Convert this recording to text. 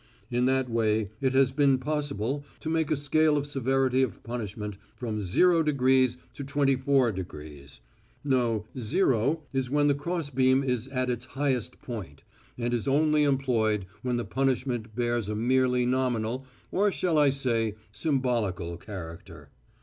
In that way it has been possible to make a scale of severity of punishment from 0 degrees to 24 degrees. No. 0 is when the cross beam is at its highest point, and is only employed when the punishment bears a merely nominal, or shall I say, symbolical, character.